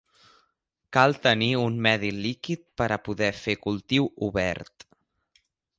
Cal tenir un medi líquid per a poder fer cultiu obert.